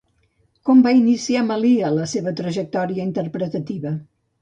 Com va iniciar Malia la seva trajectòria interpretativa?